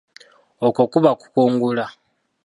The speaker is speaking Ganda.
Okwo kuba kukungula.